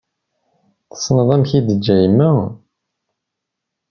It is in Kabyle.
Tessneḍ amek i tga yemma.